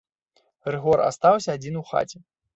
Рыгор астаўся адзін у хаце.